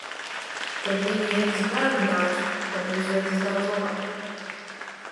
Kad viņa iet uz bērnu dārzu, tad uzvedas daudz labāk.